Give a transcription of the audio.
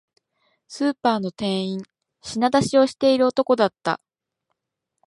スーパーの店員、品出しをしている男だった